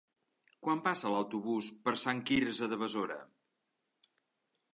Quan passa l'autobús per Sant Quirze de Besora?